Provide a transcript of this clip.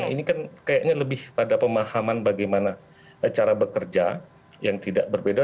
ini kan kayaknya lebih pada pemahaman bagaimana cara bekerja yang tidak berbeda